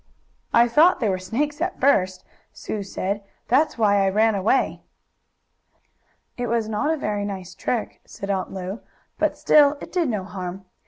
"I thought they were snakes, at first," Sue said. "That's why I ran away." "It was not a very nice trick," said Aunt Lu. "But still it did no harm.